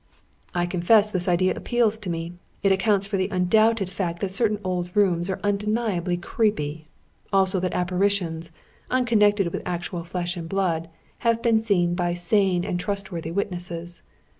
I confess this idea appeals to me. It accounts for the undoubted fact that certain old rooms are undeniably creepy; also that apparitions, unconnected with actual flesh and blood, have been seen by sane and trustworthy witnesses.